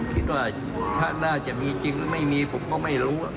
คิดว่าชาติหน้าจะมีจริงหรือไม่มีผมก็ไม่รู้